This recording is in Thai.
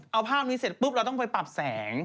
เอาภาพนี้เสร็จปุ๊บเราต้องไปปรับแสง